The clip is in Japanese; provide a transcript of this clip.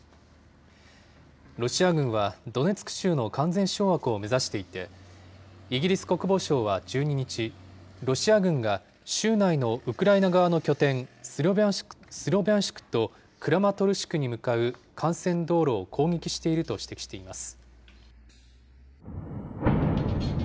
ロシア軍はドネツク州の完全掌握を目指していて、イギリス国防省は１２日、ロシア軍が州内のウクライナ側の拠点、スロビャンシクとクラマトルシクに向かう幹線道路を攻撃していると指摘しています。